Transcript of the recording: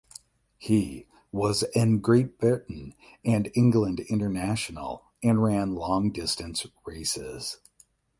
He was an Great Britain and England international and ran long distance races.